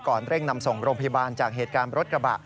เร่งนำส่งโรงพยาบาลจากเหตุการณ์รถกระบะ